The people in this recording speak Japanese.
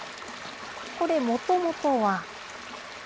これ、もともとは。